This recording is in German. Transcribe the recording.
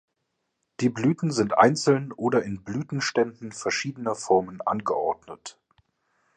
Die Blüten sind einzeln oder in Blütenständen verschiedener Formen angeordnet.